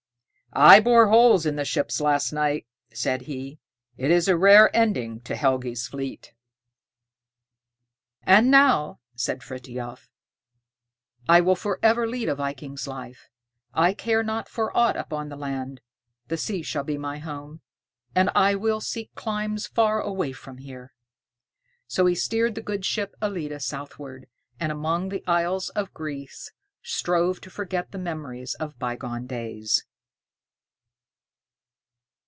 "I bored holes in the ships last night," said he; "it is a rare ending to Helgi's fleet." "And now," said Frithiof, "I will forever lead a viking's life. I care not for aught upon the land. The sea shall be my home. And I will seek climes far away from here." So he steered the good ship "Ellide" southward, and among the isles of Greece strove to forget the memories of bygone days.